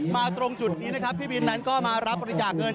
ตรงจุดนี้นะครับพี่บินนั้นก็มารับบริจาคเงิน